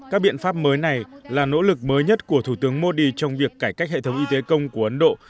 các biện pháp mới này là nỗ lực mới nhất của thủ tướng modi trong việc cải cách hệ thống y tế công của ấn độ